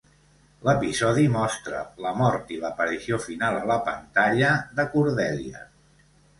L'episodi mostra la mort i l'aparició final a la pantalla de Cordelia.